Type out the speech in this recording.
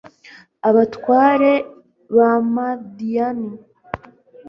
abatware ba madiyani